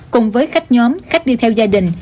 cùng với khách nhóm khách đi theo gia đình